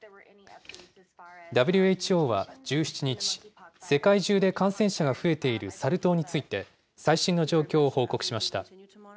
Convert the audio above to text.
ＷＨＯは１７日、世界中で感染者が増えているサル痘について、最新の状況を報告しました。